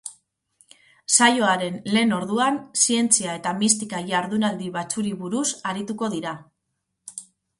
Saioaren lehen orduan zientzia eta mistika jardunaldi batzuri buruz arituko dira.